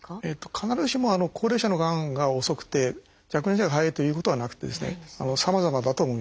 必ずしも高齢者のがんが遅くて若年者が早いというということはなくてさまざまだと思います。